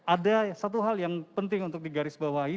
ada satu hal yang penting untuk digarisbawahi